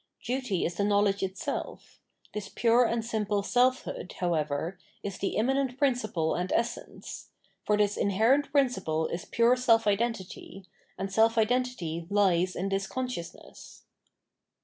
Duty is the knowledge itself ; this pure and simple selfhood, how ever, is the immanent principle and essence; for this inherent principle is pure self identity, and self identity lies in this consciousness.